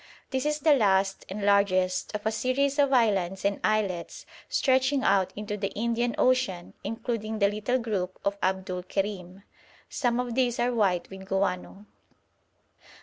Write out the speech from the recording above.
This is the last and largest of a series of islands and islets stretching out into the Indian ocean, including the little group of Abdul Kerim. Some of these are white with guano.